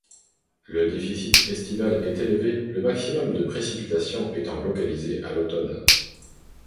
Le déficit estival est élevé, le maximum de précipitations étant localisé à l'automne.